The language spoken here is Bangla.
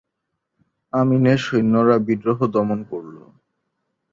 আমিনের সৈন্যরা বিদ্রোহ দমন করল।